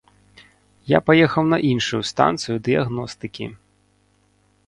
Я паехаў на іншую станцыю дыягностыкі.